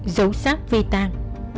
dấu sát vi tan